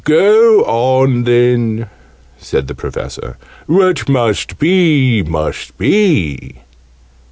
"Go on then," said the Professor. "What must be must be."